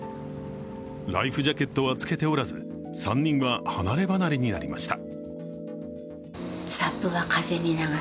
ライフジャケットは着けておらず３人は離れ離れになりました。